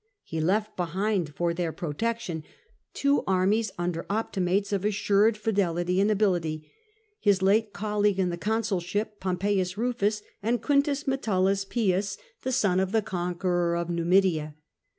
He left behind for their protection two armies under Opti mates of assured fidelity and ability — his late colleague ill the consulship, Pompoius Bufus, and Q. Metellus Kus^ SULLA SAILS FOR GREECE 127 the son of the conqueror of hTumidia.